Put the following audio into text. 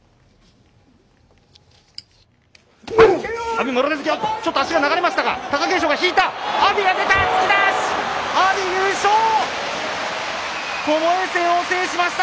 阿炎の、ちょっと足が流れましたが、貴景勝が引いた、阿炎が出た、突き出し。